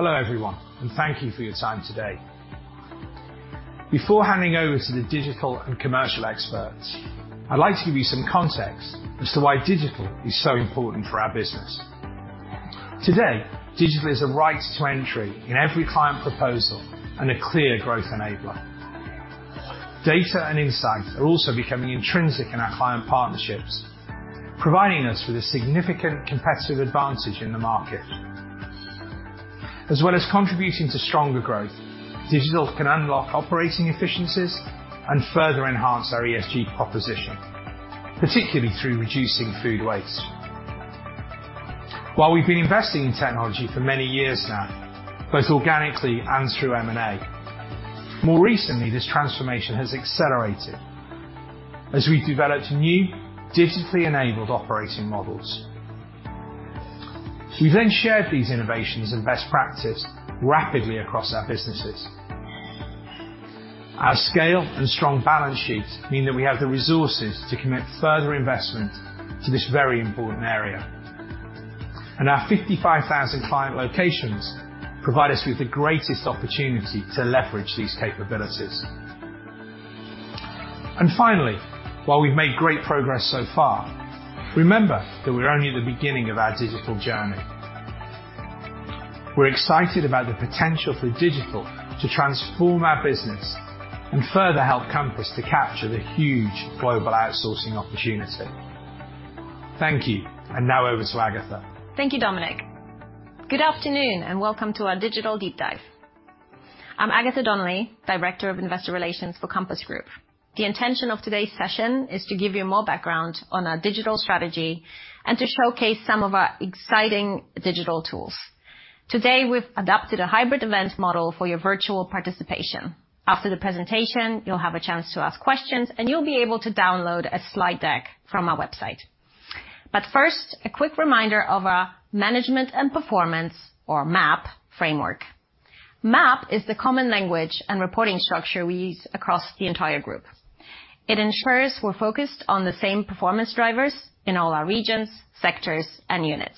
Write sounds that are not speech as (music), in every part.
Hello, everyone, and thank you for your time today. Before handing over to the digital and commercial experts, I'd like to give you some context as to why digital is so important for our business. Today, digital is a right to entry in every client proposal and a clear growth enabler. Data and insight are also becoming intrinsic in our client partnerships, providing us with a significant competitive advantage in the market. As well as contributing to stronger growth, digital can unlock operating efficiencies and further enhance our ESG proposition, particularly through reducing food waste. While we've been investing in technology for many years now, both organically and through M&A, more recently this transformation has accelerated as we've developed new digitally enabled operating models. We then shared these innovations and best practice rapidly across our businesses. Our scale and strong balance sheets mean that we have the resources to commit further investment to this very important area. Our 55,000 client locations provide us with the greatest opportunity to leverage these capabilities. And finally, while we've made great progress so far, remember that we're only at the beginning of our digital journey. We're excited about the potential for digital to transform our business and further help Compass to capture the huge global outsourcing opportunity. Thank you. Now over to Agatha. Thank you, Dominic. Good afternoon, and welcome to our digital deep dive. I'm Agatha Donnelly, Director of Investor Relations for Compass Group. The intention of today's session is to give you more background on our digital strategy and to showcase some of our exciting digital tools. Today, we've adapted a hybrid event model for your virtual participation. After the presentation, you'll have a chance to ask questions, and you'll be able to download a slide deck from our website. First, a quick reminder of our management and performance or MAP framework. MAP is the common language and reporting structure we use across the entire group. It ensures we're focused on the same performance drivers in all our regions, sectors, and units.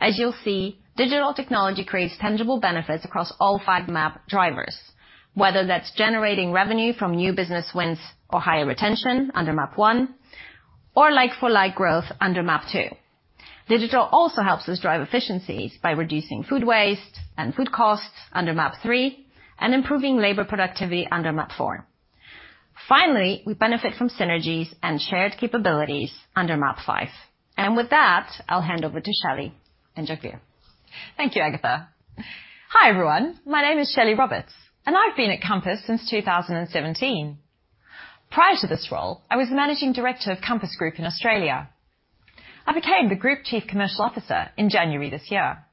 As you'll see, digital technology creates tangible benefits across all 5 MAP drivers, whether that's generating revenue from new business wins or higher retention under MAP 1, or like for like growth under MAP 2. Digital also helps us drive efficiencies by reducing food waste and food costs under MAP 3, and improving labor productivity under MAP 4. Finally, we benefit from synergies and shared capabilities under MAP 5. With that, I'll hand over to Shelley and Jugveer. Thank you, Agatha. Hi, everyone. My name is Shelley Roberts, and I've been at Compass since 2017. Prior to this role, I was the managing director of Compass Group in Australia. I became the Group Chief Commercial Officer in January this year.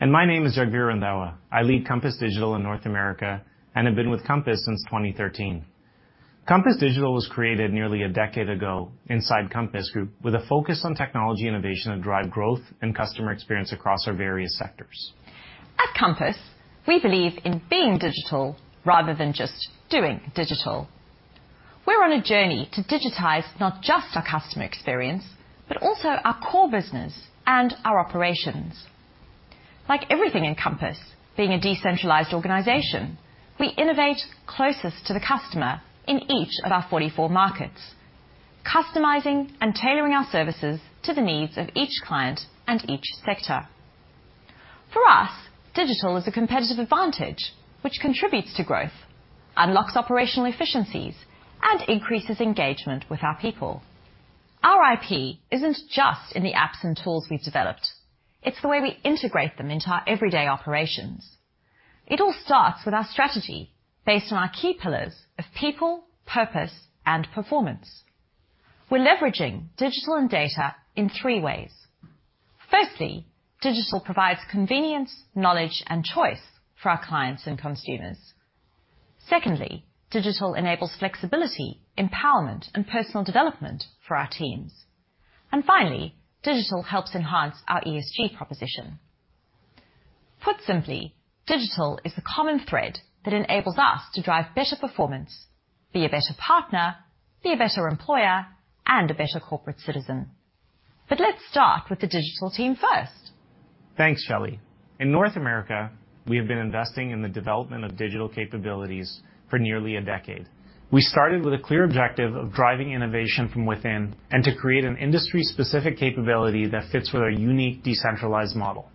My name is Jugveer Randhawa. I lead Compass Digital in North America and have been with Compass since 2013. Compass Digital was created nearly a decade ago inside Compass Group with a focus on technology innovation to drive growth and customer experience across our various sectors. At Compass, we believe in being digital rather than just doing digital. We're on a journey to digitize not just our customer experience, but also our core business and our operations. Like everything in Compass, being a decentralized organization, we innovate closest to the customer in each of our 44 markets, customizing and tailoring our services to the needs of each client and each sector. For us, digital is a competitive advantage which contributes to growth, unlocks operational efficiencies, and increases engagement with our people. Our IP isn't just in the apps and tools we've developed, it's the way we integrate them into our everyday operations. It all starts with our strategy based on our key pillars of people, purpose, and performance. We're leveraging digital and data in three ways. Firstly, digital provides convenience, knowledge, and choice for our clients and consumers. Secondly, digital enables flexibility, empowerment, and personal development for our teams. And finally, digital helps enhance our ESG proposition. Put simply, digital is the common thread that enables us to drive better performance, be a better partner, be a better employer, and a better corporate citizen. Let's start with the digital team first. Thanks, Shelley. In North America, we have been investing in the development of digital capabilities for nearly a decade. We started with a clear objective of driving innovation from within and to create an industry-specific capability that fits with our unique decentralized model.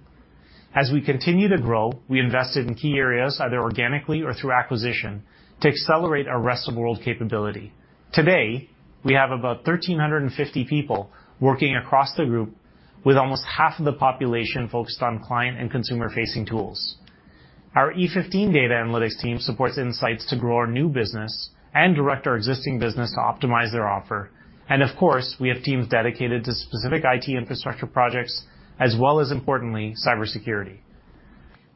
As we continue to grow, we invested in key areas, either organically or through acquisition, to accelerate our rest of world capability. Today, we have about 1,350 people working across the group with almost half of the population focused on client and consumer-facing tools. Our E15 data analytics team supports insights to grow our new business and direct our existing business to optimize their offer. Of course, we have teams dedicated to specific IT infrastructure projects as well as, importantly, cybersecurity.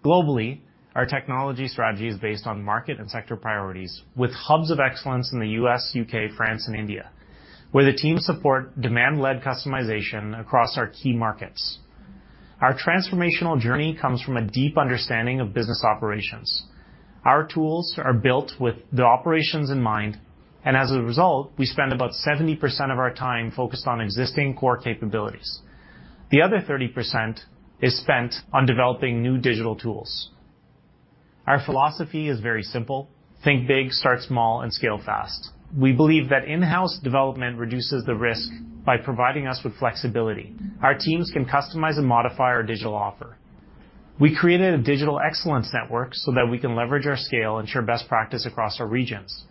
Globally, our technology strategy is based on market and sector priorities with hubs of excellence in the U.S., U.K., France, and India, where the team support demand-led customization across our key markets. Our transformational journey comes from a deep understanding of business operations. Our tools are built with the operations in mind, and as a result, we spend about 70% of our time focused on existing core capabilities. The other 30% is spent on developing new digital tools. Our philosophy is very simple: think big, start small, and scale fast. We believe that in-house development reduces the risk by providing us with flexibility. Our teams can customize and modify our digital offer. We created a digital excellence network so that we can leverage our scale and share best practice across our regions.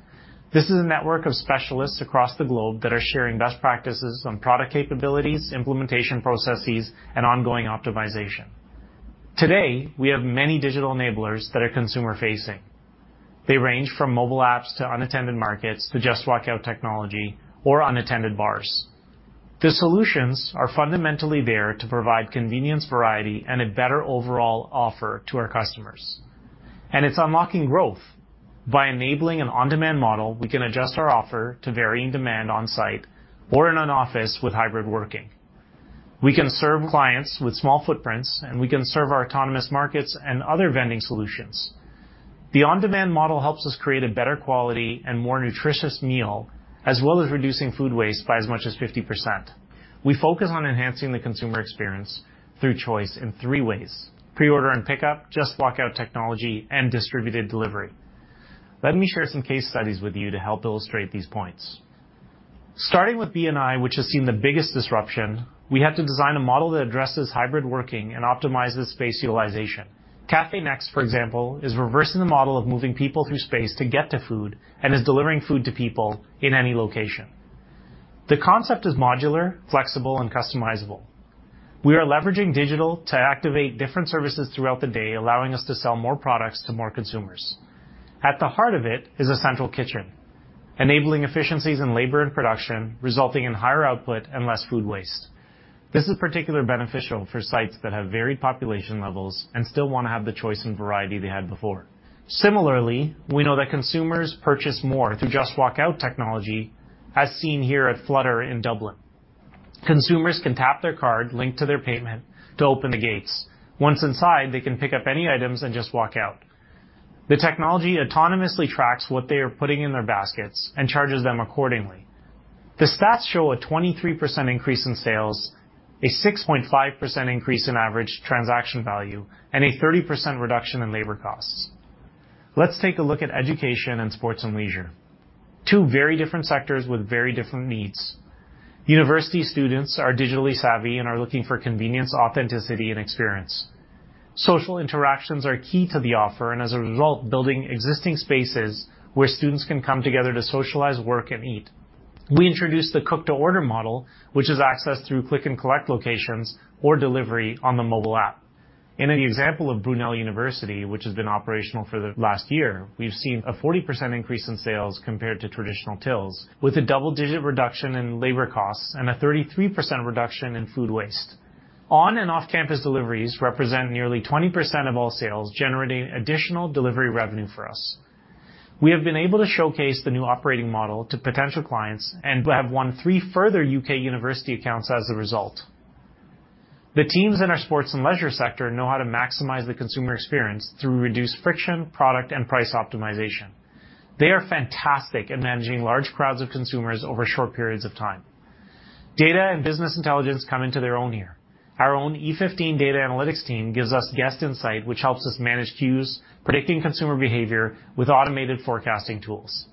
This is a network of specialists across the globe that are sharing best practices on product capabilities, implementation processes, and ongoing optimization. Today, we have many digital enablers that are consumer-facing. They range from mobile apps to unattended markets to Just Walk Out technology or unattended bars. The solutions are fundamentally there to provide convenience, variety, and a better overall offer to our customers, and it's unlocking growth. By enabling an on-demand model, we can adjust our offer to varying demand on site or in an office with hybrid working. We can serve clients with small footprints, and we can serve our autonomous markets and other vending solutions. The on-demand model helps us create a better quality and more nutritious meal, as well as reducing food waste by as much as 50%. We focus on enhancing the consumer experience through choice in three ways, pre-order and pickup, Just Walk Out technology, and distributed delivery. Let me share some case studies with you to help illustrate these points. Starting with B&I, which has seen the biggest disruption, we had to design a model that addresses hybrid working and optimizes space utilization. Cafe Next, for example, is reversing the model of moving people through space to get to food and is delivering food to people in any location. The concept is modular, flexible, and customizable. We are leveraging digital to activate different services throughout the day, allowing us to sell more products to more consumers. At the heart of it is a central kitchen, enabling efficiencies in labor and production, resulting in higher output and less food waste. This is particularly beneficial for sites that have varied population levels and still wanna have the choice and variety they had before. Similarly, we know that consumers purchase more through Just Walk Out technology, as seen here at Flutter in Dublin. Consumers can tap their card linked to their payment to open the gates. Once inside, they can pick up any items and just walk out. The technology autonomously tracks what they are putting in their baskets and charges them accordingly. The stats show a 23% increase in sales, a 6.5% increase in average transaction value, and a 30% reduction in labor costs. Let's take a look at education and sports and leisure. Two very different sectors with very different needs. University students are digitally savvy and are looking for convenience, authenticity, and experience. Social interactions are key to the offer and as a result, building existing spaces where students can come together to socialize, work, and eat. We introduced the cook to order model, which is accessed through click and collect locations or delivery on the mobile app. For example, at Brunel University London, which has been operational for the last year, we've seen a 40% increase in sales compared to traditional tills with a double-digit reduction in labor costs and a 33% reduction in food waste. On-and-off campus deliveries represent nearly 20% of all sales, generating additional delivery revenue for us. We have been able to showcase the new operating model to potential clients and have won three further UK university accounts as a result. The teams in our sports and leisure sector know how to maximize the consumer experience through reduced friction, product, and price optimization. They are fantastic at managing large crowds of consumers over short periods of time. Data and business intelligence come into their own here. Our own E15 data analytics team gives us guest insight, which helps us manage queues, predicting consumer behavior with automated forecasting tools.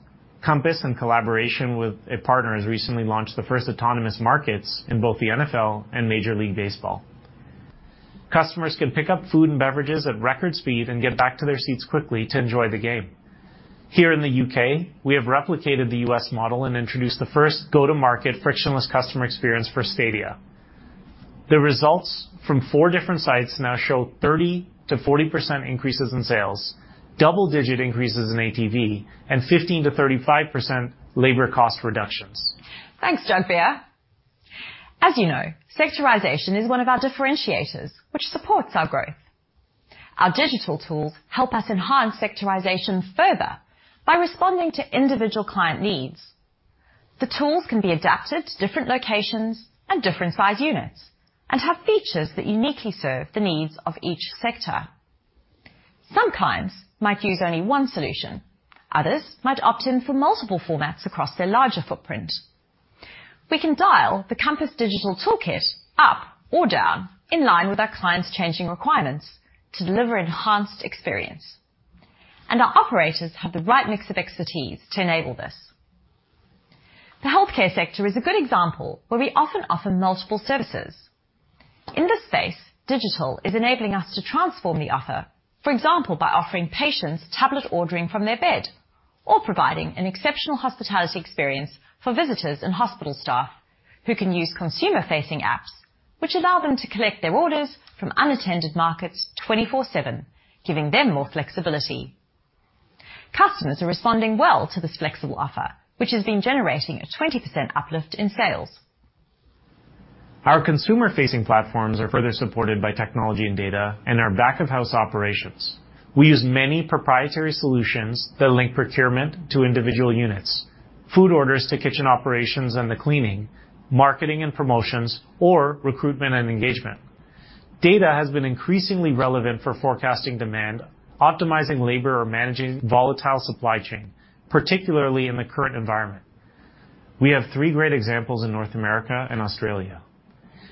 Compass, in collaboration with a partner, has recently launched the first autonomous markets in both the NFL and Major League Baseball. Customers can pick up food and beverages at record speed and get back to their seats quickly to enjoy the game. Here in the U.K., we have replicated the U.S. model and introduced the first go-to-market frictionless customer experience for stadia. The results from four different sites now show 30%-40% increases in sales, double-digit increases in ATV, and 15%-35% labor cost reductions. Thanks, Jugveer. As you know, sectorization is one of our differentiators, which supports our growth. Our digital tools help us enhance sectorization further by responding to individual client needs. The tools can be adapted to different locations and different size units and have features that uniquely serve the needs of each sector. Some clients might use only one solution. Others might opt in for multiple formats across their larger footprint. We can dial the Compass Digital toolkit up or down in line with our clients' changing requirements to deliver enhanced experience. Our operators have the right mix of expertise to enable this. The healthcare sector is a good example where we often offer multiple services. In this space, digital is enabling us to transform the offer. For example, by offering patients tablet ordering from their bed or providing an exceptional hospitality experience for visitors and hospital staff who can use consumer-facing apps, which allow them to collect their orders from unattended markets 24/7, giving them more flexibility. Customers are responding well to this flexible offer, which has been generating a 20% uplift in sales. Our consumer-facing platforms are further supported by technology and data and our back-of-house operations. We use many proprietary solutions that link procurement to individual units, food orders to kitchen operations and the cleaning, marketing and promotions or recruitment and engagement. Data has been increasingly relevant for forecasting demand, optimizing labor or managing volatile supply chain, particularly in the current environment. We have three great examples in North America and Australia.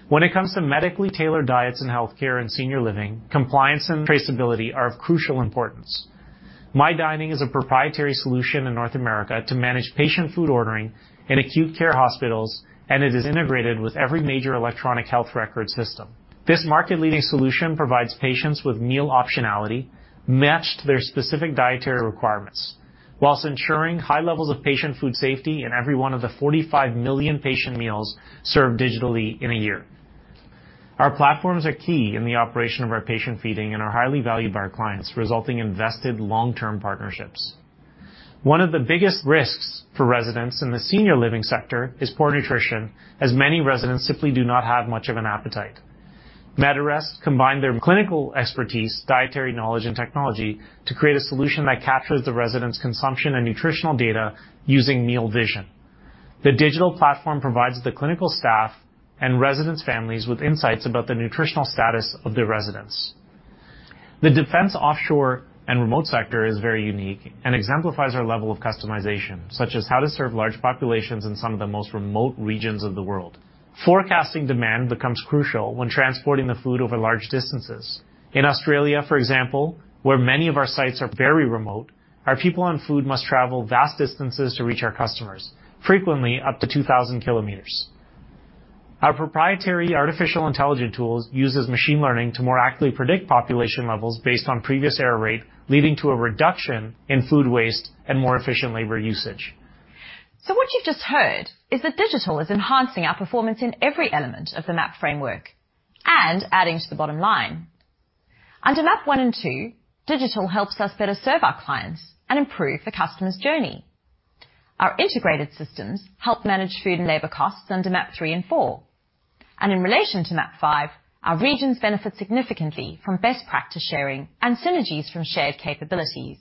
When it comes to medically tailored diets in healthcare and senior living, compliance and traceability are of crucial importance. MyDining is a proprietary solution in North America to manage patient food ordering in acute care hospitals, and it is integrated with every major electronic health record system. This market-leading solution provides patients with meal optionality matched to their specific dietary requirements while ensuring high levels of patient food safety in every one of the 45 million patient meals served digitally in a year. Our platforms are key in the operation of our patient feeding and are highly valued by our clients, resulting in vested long-term partnerships. One of the biggest risks for residents in the senior living sector is poor nutrition, as many residents simply do not have much of an appetite. Medirest combine their clinical expertise, dietary knowledge and technology to create a solution that captures the residents' consumption and nutritional data using Meal Vision. The digital platform provides the clinical staff and residents' families with insights about the nutritional status of the residents. The defense offshore and remote sector is very unique and exemplifies our level of customization, such as how to serve large populations in some of the most remote regions of the world. Forecasting demand becomes crucial when transporting the food over large distances. In Australia, for example, where many of our sites are very remote, our people and food must travel vast distances to reach our customers, frequently up to 2,000 km. Our proprietary artificial intelligence tools uses machine learning to more accurately predict population levels based on previous error rate, leading to a reduction in food waste and more efficient labor usage. What you've just heard is that digital is enhancing our performance in every element of the MAP framework and adding to the bottom line. Under MAP 1 and 2, digital helps us better serve our clients and improve the customer's journey. Our integrated systems help manage food and labor costs under MAP 3 and 4. In relation to MAP 5, our regions benefit significantly from best practice sharing and synergies from shared capabilities.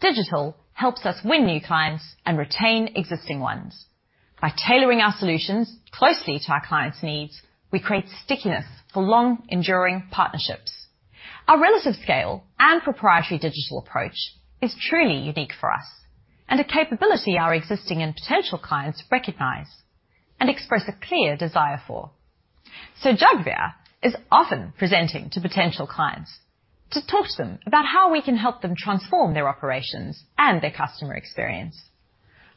Digital helps us win new clients and retain existing ones. By tailoring our solutions closely to our clients' needs, we create stickiness for long enduring partnerships. Our relative scale and proprietary digital approach is truly unique for us and a capability our existing and potential clients recognize and express a clear desire for. Jugveer is often presenting to potential clients to talk to them about how we can help them transform their operations and their customer experience.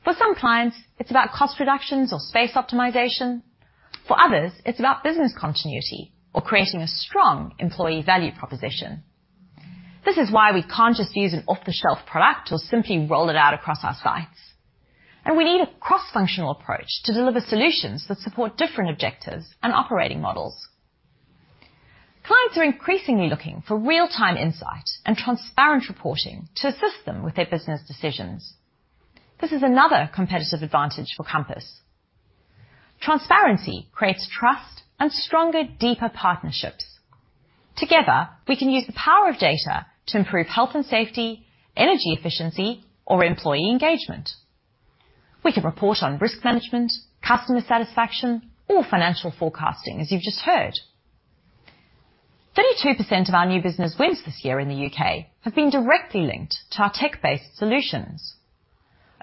For some clients, it's about cost reductions or space optimization. For others, it's about business continuity or creating a strong employee value proposition. This is why we can't just use an off-the-shelf product or simply roll it out across our sites. We need a cross-functional approach to deliver solutions that support different objectives and operating models. Clients are increasingly looking for real-time insight and transparent reporting to assist them with their business decisions. This is another competitive advantage for Compass. Transparency creates trust and stronger, deeper partnerships. Together, we can use the power of data to improve health and safety, energy efficiency or employee engagement. We can report on risk management, customer satisfaction or financial forecasting, as you've just heard. 32% of our new business wins this year in the UK have been directly linked to our tech-based solutions.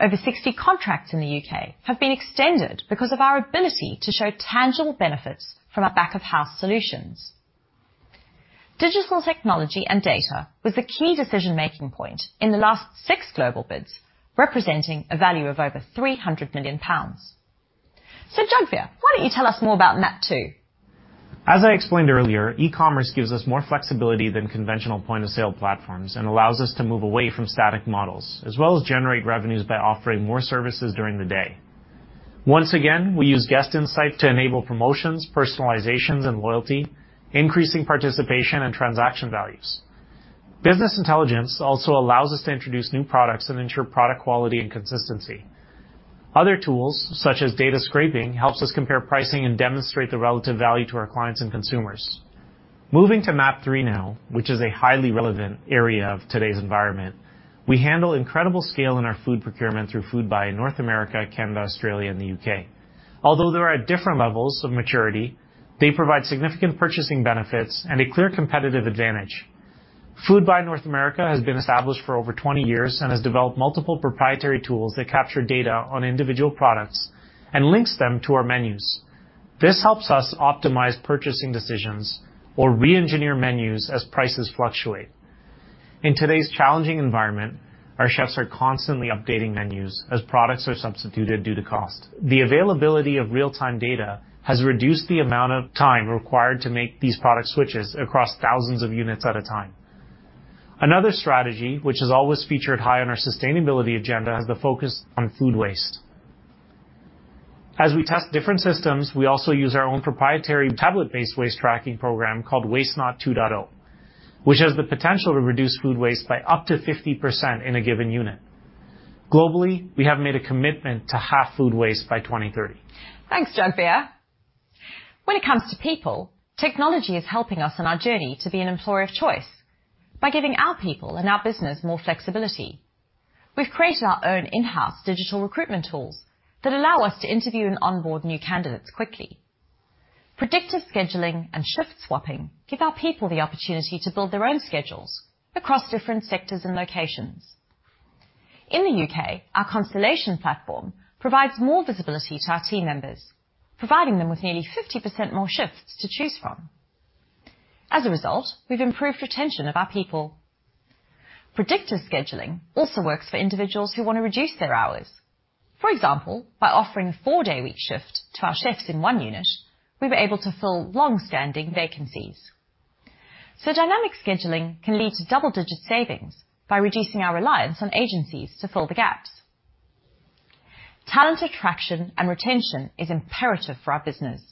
Over 60 contracts in the UK have been extended because of our ability to show tangible benefits from our back-of-house solutions. Digital technology and data was a key decision-making point in the last 6 global bids, representing a value of over 300 million pounds. Jugveer, why don't you tell us more about MAP 2? As I explained earlier, e-commerce gives us more flexibility than conventional point of sale platforms and allows us to move away from static models, as well as generate revenues by offering more services during the day. Once again, we use guest insight to enable promotions, personalizations and loyalty, increasing participation and transaction values. Business intelligence also allows us to introduce new products and ensure product quality and consistency. Other tools, such as data scraping, helps us compare pricing and demonstrate the relative value to our clients and consumers. Moving to MAP 3 now, which is a highly relevant area of today's environment, we handle incredible scale in our food procurement through Foodbuy in North America, Canada, Australia and the UK. Although they are at different levels of maturity, they provide significant purchasing benefits and a clear competitive advantage. Foodbuy North America has been established for over 20 years and has developed multiple proprietary tools that capture data on individual products and links them to our menus. This helps us optimize purchasing decisions or re-engineer menus as prices fluctuate. In today's challenging environment, our chefs are constantly updating menus as products are substituted due to cost. The availability of real-time data has reduced the amount of time required to make these product switches across thousands of units at a time. Another strategy which has always featured high on our sustainability agenda is the focus on food waste. As we test different systems, we also use our own proprietary tablet-based waste tracking program called Waste Not 2.0, which has the potential to reduce food waste by up to 50% in a given unit. Globally, we have made a commitment to half food waste by 2030. Thanks, Jugveer. When it comes to people, technology is helping us on our journey to be an employer of choice by giving our people and our business more flexibility. We've created our own in-house digital recruitment tools that allow us to interview and onboard new candidates quickly. Predictive scheduling and shift swapping give our people the opportunity to build their own schedules across different sectors and locations. In the UK, our Constellation platform provides more visibility to our team members, providing them with nearly 50% more shifts to choose from. As a result, we've improved retention of our people. Predictive scheduling also works for individuals who wanna reduce their hours. For example, by offering four-day week shift to our shifts in one unit, we were able to fill long-standing vacancies. Dynamic scheduling can lead to double-digit savings by reducing our reliance on agencies to fill the gaps. Talent attraction and retention is imperative for our business,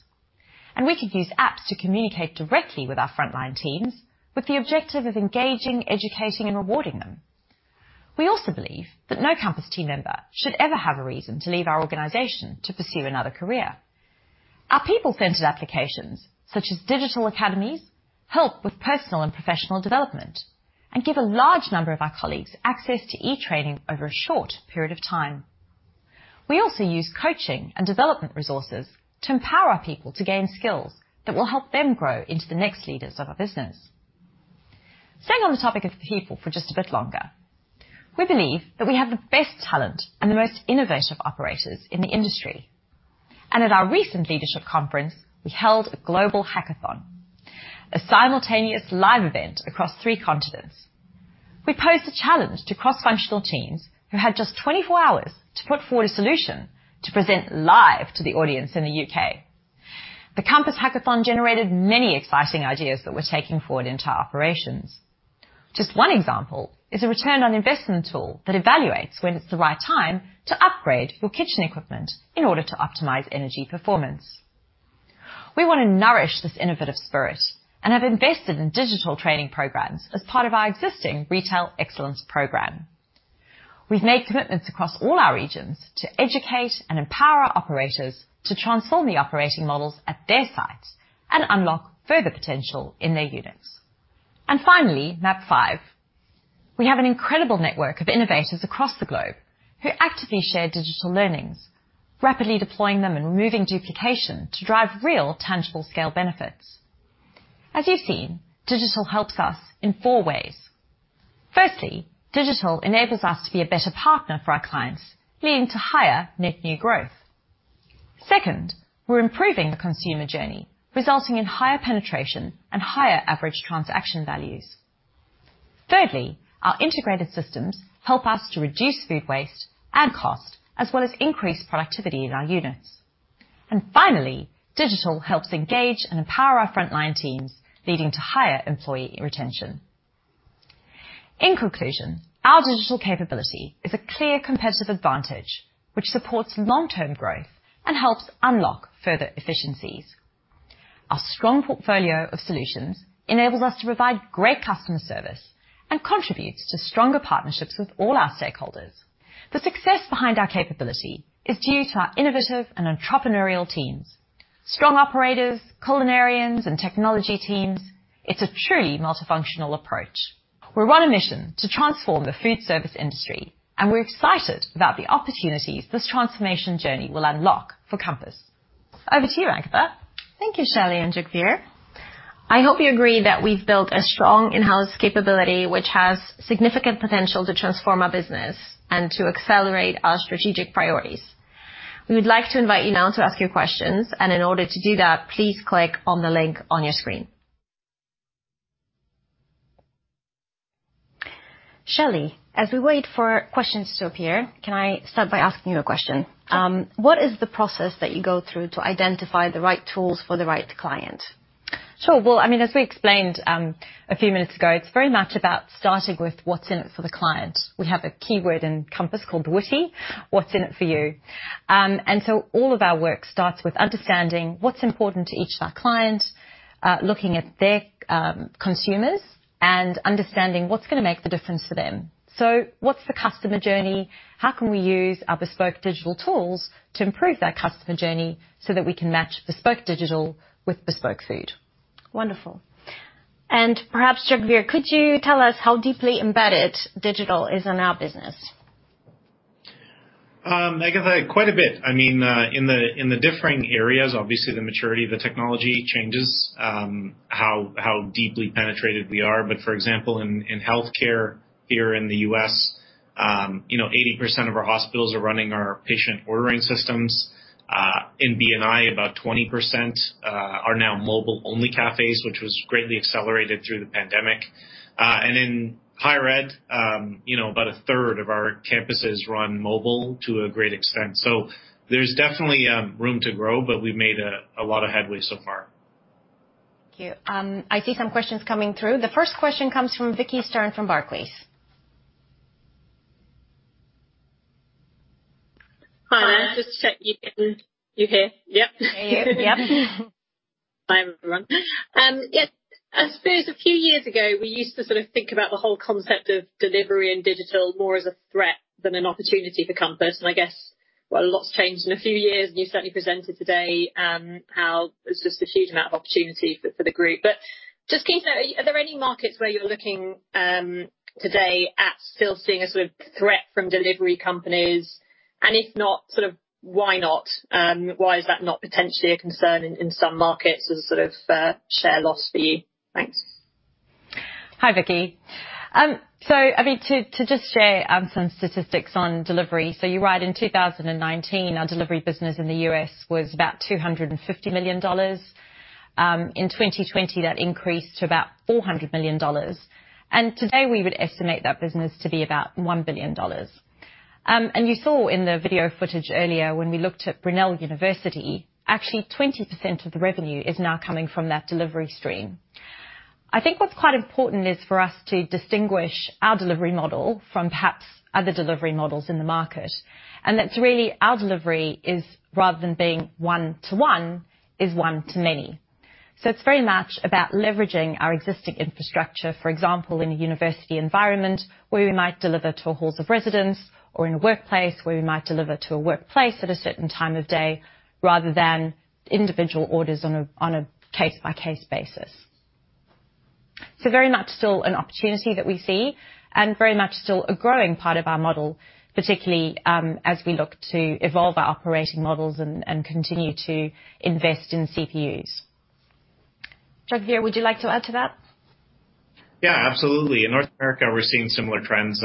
and we could use apps to communicate directly with our frontline teams with the objective of engaging, educating, and rewarding them. We also believe that no Compass team member should ever have a reason to leave our organization to pursue another career. Our people-centered applications, such as digital academies, help with personal and professional development and give a large number of our colleagues access to e-training over a short period of time. We also use coaching and development resources to empower our people to gain skills that will help them grow into the next leaders of our business. Staying on the topic of people for just a bit longer. We believe that we have the best talent and the most innovative operators in the industry. At our recent leadership conference, we held a global hackathon, a simultaneous live event across three continents. We posed a challenge to cross-functional teams who had just 24 hours to put forward a solution to present live to the audience in the U.K. The Compass Hackathon generated many exciting ideas that we're taking forward into our operations. Just one example is a return on investment tool that evaluates when it's the right time to upgrade your kitchen equipment in order to optimize energy performance. We wanna nourish this innovative spirit and have invested in digital training programs as part of our existing retail excellence program. We've made commitments across all our regions to educate and empower our operators to transform the operating models at their sites and unlock further potential in their units. Finally, MAP 5. We have an incredible network of innovators across the globe who actively share digital learnings, rapidly deploying them and removing duplication to drive real, tangible scale benefits. As you've seen, digital helps us in four ways. Firstly, digital enables us to be a better partner for our clients, leading to higher net new growth. Second, we're improving the consumer journey, resulting in higher penetration and higher average transaction values. Thirdly, our integrated systems help us to reduce food waste and cost, as well as increase productivity in our units. And finally, digital helps engage and empower our frontline teams, leading to higher employee retention. In conclusion, our digital capability is a clear competitive advantage which supports long-term growth and helps unlock further efficiencies. Our strong portfolio of solutions enables us to provide great customer service and contributes to stronger partnerships with all our stakeholders. The success behind our capability is due to our innovative and entrepreneurial teams, strong operators, culinarians, and technology teams. It's a truly multifunctional approach. We're on a mission to transform the food service industry, and we're excited about the opportunities this transformation journey will unlock for Compass. Over to you, Agatha. Thank you, Shelley and Jugveer. I hope you agree that we've built a strong in-house capability which has significant potential to transform our business and to accelerate our strategic priorities. We would like to invite you now to ask your questions, and in order to do that, please click on the link on your screen. Shelley, as we wait for questions to appear, can I start by asking you a question? What is the process that you go through to identify the right tools for the right client? Sure. Well, I mean, as we explained a few minutes ago, it's very much about starting with what's in it for the client. We have a keyword in Compass called WITI. What's in it for you? All of our work starts with understanding what's important to each of our clients, looking at their consumers and understanding what's gonna make the difference to them. So, what's the customer journey? How can we use our bespoke digital tools to improve that customer journey so that we can match bespoke digital with bespoke food. Wonderful. Perhaps, Jugveer, could you tell us how deeply embedded digital is in our business? Agatha, quite a bit. I mean, in the differing areas, obviously the maturity of the technology changes, how deeply penetrated we are, but for example, in healthcare here in the U.S., you know, 80% of our hospitals are running our patient ordering systems. In B&I, about 20% are now mobile-only cafes, which was greatly accelerated through the pandemic. In higher ed, you know, about a third of our campuses run mobile to a great extent. There's definitely room to grow, but we've made a lot of headway so far. Thank you. I see some questions coming through. The first question comes from Vicki Stern from Barclays. Hi, you hear? (crosstalk) Yep. I hear you. Yep. Hi, everyone. Yes. As far as a few years ago, we used to sort of think about the whole concept of delivery and digital more as a threat than an opportunity for Compass. I guess, while a lot's changed in a few years, and you certainly presented today, how there's just a huge amount of opportunity for the group. Just keen to know, are there any markets where you're looking today at still seeing a sort of threat from delivery companies? If not, sort of why not? Why is that not potentially a concern in some markets as a sort of share loss for you? Thanks. Hi, Vicki. I mean to just share some statistics on delivery. You're right, in 2019, our delivery business in the U.S. was about $250 million. In 2020, that increased to about $400 million. And today, we would estimate that business to be about $1 billion. You saw in the video footage earlier when we looked at Brunel University London, actually 20% of the revenue is now coming from that delivery stream. I think what's quite important is for us to distinguish our delivery model from perhaps other delivery models in the market. That's really our delivery is, rather than being one to one, is one to many. It's very much about leveraging our existing infrastructure, for example, in a university environment where we might deliver to halls of residence or in a workplace where we might deliver to a workplace at a certain time of day, rather than individual orders on a case-by-case basis. Very much still an opportunity that we see, and very much still a growing part of our model, particularly, as we look to evolve our operating models and continue to invest in CPUs. Jugveer, would you like to add to that? Yeah, absolutely. In North America, we're seeing similar trends.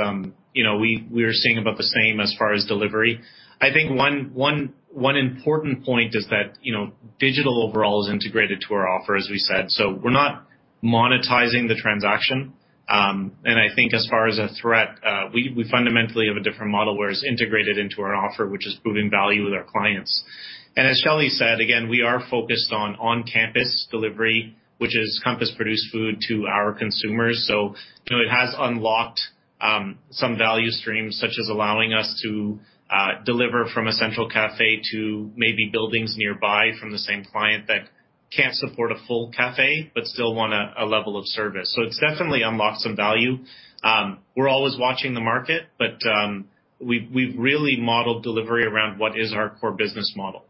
You know, we're seeing about the same as far as delivery. I think one important point is that, you know, digital overall is integrated to our offer, as we said. We're not monetizing the transaction. I think as far as a threat, we fundamentally have a different model where it's integrated into our offer, which is proving value with our clients. As Shelley said, again, we are focused on on-campus delivery, which is Compass produced food to our consumers. So you know, it has unlocked some value streams, such as allowing us to deliver from a central cafe to maybe buildings nearby from the same client that can't support a full cafe but still want a level of service. It's definitely unlocked some value. We're always watching the market, but we've really modeled delivery around what is our core business model.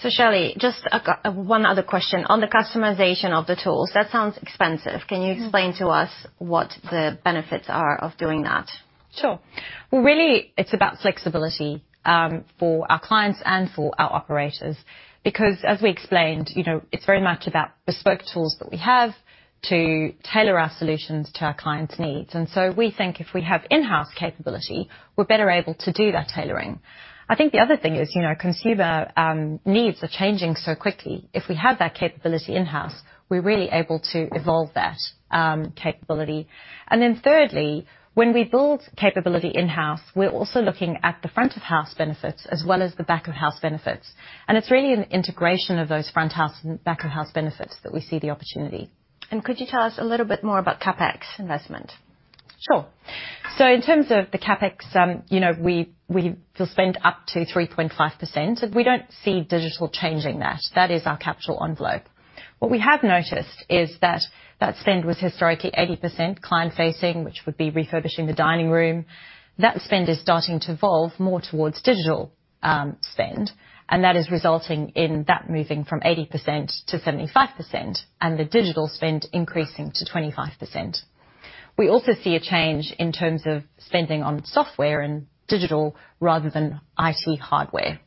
Shelley, just one other question on the customization of the tools. That sounds expensive. Can you explain to us what the benefits are of doing that? Sure. Well, really it's about flexibility, for our clients and for our operators, because as we explained, you know, it's very much about bespoke tools that we have to tailor our solutions to our clients' needs. We think if we have in-house capability, we're better able to do that tailoring. I think the other thing is, you know, consumer needs are changing so quickly. If we have that capability in-house, we're really able to evolve that capability. And then thirdly, when we build capability in-house, we're also looking at the front of house benefits as well as the back of house benefits. It's really in the integration of those front of house and back of house benefits that we see the opportunity. Could you tell us a little bit more about CapEx investment? Sure. In terms of the CapEx, you know, we will spend up to 3.5%, and we don't see digital changing that. That is our capital envelope. What we have noticed is that that spend was historically 80% client-facing, which would be refurbishing the dining room. That spend is starting to evolve more towards digital spend, and that is resulting in that moving from 80%-75% and the digital spend increasing to 25%. We also see a change in terms of spending on software and digital rather than IT hardware.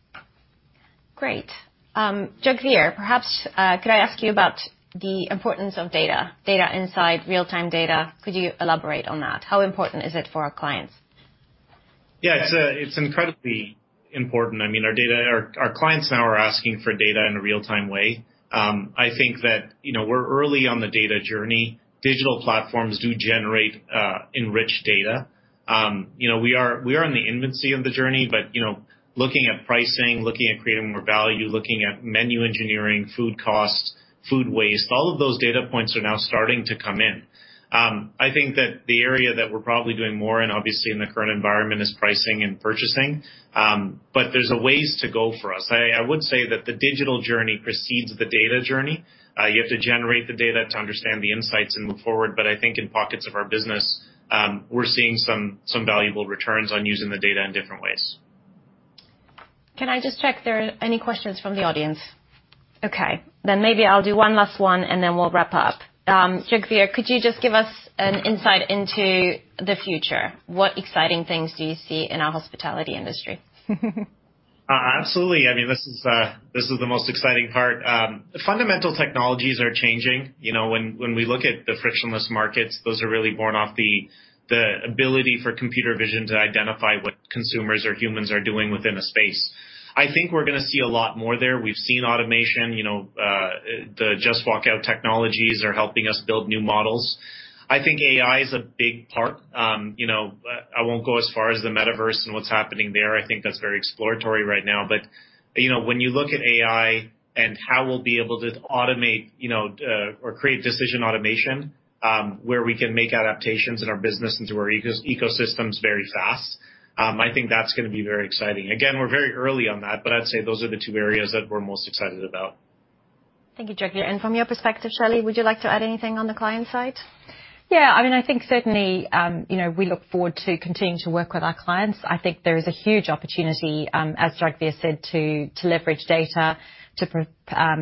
Great. Jugveer, perhaps, could I ask you about the importance of data? Data insight, real-time data. Could you elaborate on that? How important is it for our clients? Yeah. It's incredibly important. I mean, our clients now are asking for data in a real-time way. I think that, you know, we're early on the data journey. Digital platforms do generate, enrich data. You know, we are in the infancy of the journey, but, you know, looking at pricing, looking at creating more value, looking at menu engineering, food costs, food waste, all of those data points are now starting to come in. I think that the area that we're probably doing more, and obviously in the current environment, is pricing and purchasing. There's a ways to go for us. I would say that the digital journey precedes the data journey. You have to generate the data to understand the insights and move forward. I think in pockets of our business, we're seeing some valuable returns on using the data in different ways. Can I just check if there are any questions from the audience? Okay, then maybe I'll do one last one, and then we'll wrap up. Jugveer, could you just give us an insight into the future? What exciting things do you see in our hospitality industry? Absolutely. I mean, this is the most exciting part. Fundamental technologies are changing. You know, when we look at the frictionless markets, those are really born of the ability for computer vision to identify what consumers or humans are doing within a space. I think we're gonna see a lot more there. We've seen automation. You know, the Just Walk Out technologies are helping us build new models. I think AI is a big part. You know, I won't go as far as the metaverse and what's happening there. I think that's very exploratory right now. But, you know, when you look at AI and how we'll be able to automate, you know, or create decision automation, where we can make adaptations in our business into our ecosystems very fast, I think that's gonna be very exciting. Again, we're very early on that, but I'd say those are the two areas that we're most excited about. Thank you, Jugveer. From your perspective, Shelley, would you like to add anything on the client side? Yeah. I mean, I think certainly, you know, we look forward to continuing to work with our clients. I think there is a huge opportunity, as Jugveer said, to leverage data to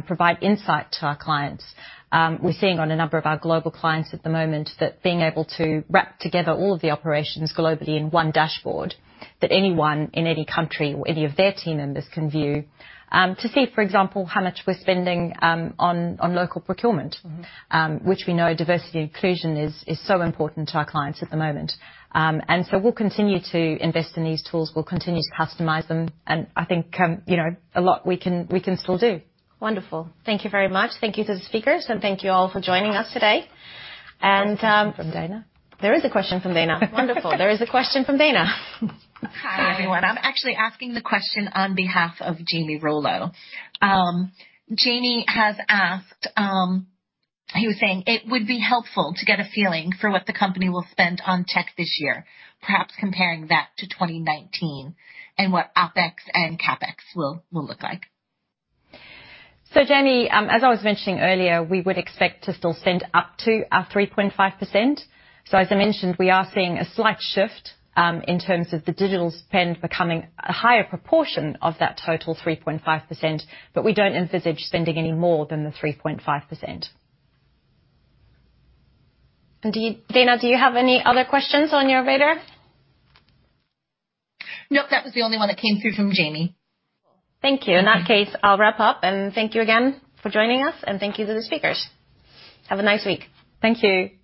provide insight to our clients. We're seeing on a number of our global clients at the moment that being able to wrap together all of the operations globally in one dashboard, that anyone in any country or any of their team members can view, to see, for example, how much we're spending on local procurement. Mm-hmm. which we know diversity inclusion is so important to our clients at the moment. We'll continue to invest in these tools. We'll continue to customize them, and I think, you know, a lot we can still do. Wonderful. Thank you very much. Thank you to the speakers, and thank you all for joining us today. Question from Dana. There is a question from Dana. Wonderful. There is a question from Dana. Hi, everyone. I'm actually asking the question on behalf of Jamie Rollo. Jamie has asked. He was saying it would be helpful to get a feeling for what the company will spend on tech this year, perhaps comparing that to 2019, and what OpEx and CapEx will look like. Jamie, as I was mentioning earlier, we would expect to still spend up to our 3.5%. As I mentioned, we are seeing a slight shift in terms of the digital spend becoming a higher proportion of that total 3.5%, but we don't envisage spending any more than the 3.5%. Dana, do you have any other questions on your radar? Nope, that was the only one that came through from Jamie. Thank you. In that case, I'll wrap up and thank you again for joining us, and thank you to the speakers. Have a nice week. Thank you.